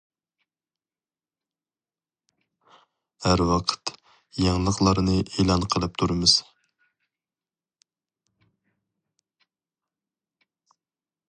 ھەر ۋاقىت يېڭىلىقلارنى ئېلان قىلىپ تۇرىمىز.